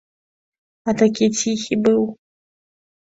А такі ціхі быў.